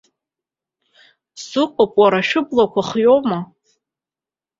Сыҟоуп, уара, шәыблақәа хҩоума?